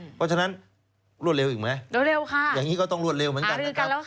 เพราะฉะนั้นรวดเร็วอีกไหมเร็วค่ะอย่างนี้ก็ต้องรวดเร็วเหมือนกันนะครับ